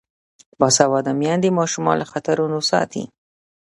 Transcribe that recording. باسواده میندې ماشومان له خطرونو ساتي.